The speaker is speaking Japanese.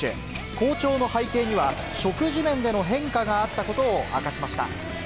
好調の背景には、食事面での変化があったことを明かしました。